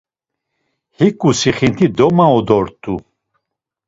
Hiǩu sixint̆i domau dort̆u.